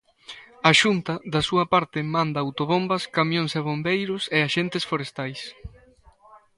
A Xunta, da súa parte, manda autobombas, camións e bombeiros e axentes forestais.